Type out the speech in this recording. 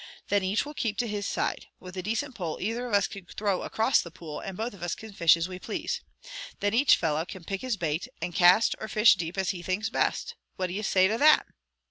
Then each will keep to his side. With a decent pole either of us can throw across the pool, and both of us can fish as we please. Then each fellow can pick his bait, and cast or fish deep as he thinks best. What d'ye say to that?"